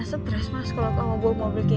aku yang stres mas kalau kamu bawa mobil kayak gini